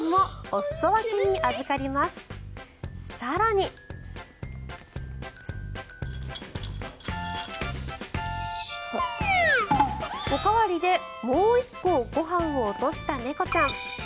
おかわりでもう１個ご飯を落とした猫ちゃん。